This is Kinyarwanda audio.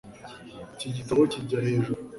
Iki gitabo kijya hejuru